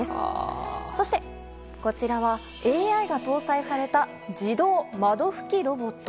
そして、こちらはＡＩが搭載された自動窓拭きロボット。